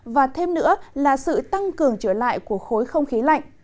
và thêm nữa là sự tăng cường trở lại của khối không khí lạnh